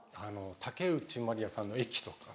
竹内まりやさんの『駅』とか。